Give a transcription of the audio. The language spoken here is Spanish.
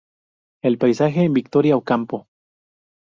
El paisaje en Victoria Ocampo".